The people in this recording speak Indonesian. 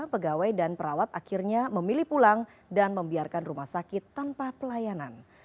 pegawai dan perawat akhirnya memilih pulang dan membiarkan rumah sakit tanpa pelayanan